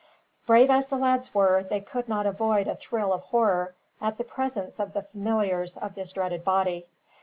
Brave as the lads were, they could not avoid a thrill of horror, at the presence of the familiars of this dreaded body.